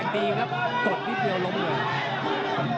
ด้านหัวต้องโต